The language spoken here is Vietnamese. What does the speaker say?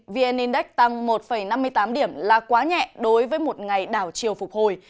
vn index tăng một năm mươi tám điểm là quá nhẹ đối với một ngày đảo chiều phục hồi